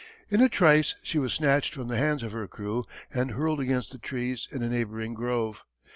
In a trice she was snatched from the hands of her crew and hurled against the trees in a neighbouring grove.